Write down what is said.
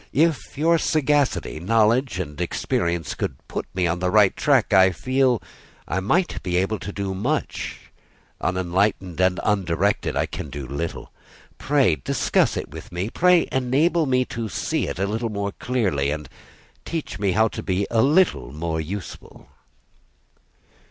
If your sagacity, knowledge, and experience, could put me on the right track, I might be able to do so much; unenlightened and undirected, I can do so little. Pray discuss it with me; pray enable me to see it a little more clearly, and teach me how to be a little more useful."